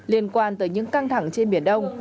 liên quan tới những căng thẳng trên biển đông